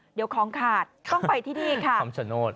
เดี๋ยวของขาดต้องไปที่นี่ค่ะคำชโนธ